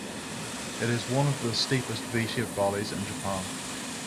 It is one of the steepest V-shaped valleys in Japan.